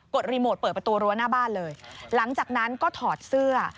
รีโมทเปิดประตูรั้วหน้าบ้านเลยหลังจากนั้นก็ถอดเสื้อ